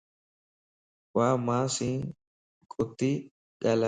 وامانسين ڪوتي ڳالھائي